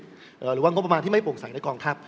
หรือว่างบประมาณที่ไม่โปร่งใสในกองทัพ